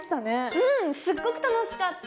うんすっごく楽しかった！